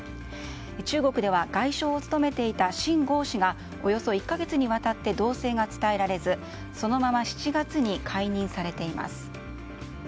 中国では外相を務めていたシン・ゴウ氏がおよそ１か月にわたって動静が伝えられずそのまま７月に解任されています。